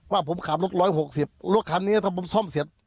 ว่าผมขับรถ๑๖๐รถคันนี้ถ้าผมซ่อมเสร็จ